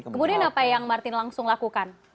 kemudian apa yang martin langsung lakukan